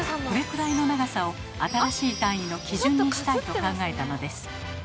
これくらいの長さを新しい単位の基準にしたいと考えたのです。